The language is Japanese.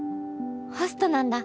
ホストなんだ！